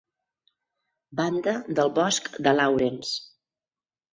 Banda del bosc de Lawrence.